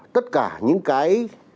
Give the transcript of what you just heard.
tất cả những cái